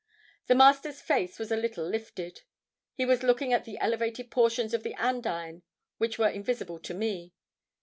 "The Master's face was a little lifted. He was looking at the elevated portions of the andiron which were invisible to me.